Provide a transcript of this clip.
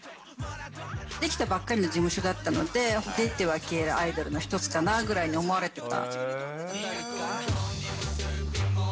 出来たばっかりの事務所だったので、出ては消えるアイドルの一つかなぐらいに思われていた。